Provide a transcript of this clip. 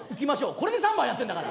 これで３番やってんだから。